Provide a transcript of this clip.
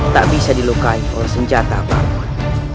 tak bisa dilukai oleh senjata bangun